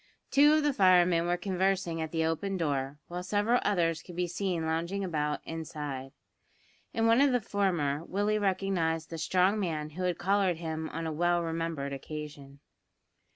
Two of the firemen were conversing at the open door, while several others could be seen lounging about inside. In one of the former Willie recognised the strong man who had collared him on a well remembered occasion.